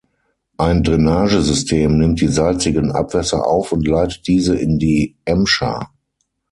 Ein Drainagesystem nimmt die salzigen Abwässer auf und leitet diese in die Emscher.